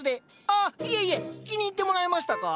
あっいえいえ気に入ってもらえましたか？